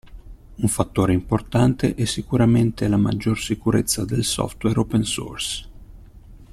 Un fattore importante è sicuramente la maggior sicurezza del software open source.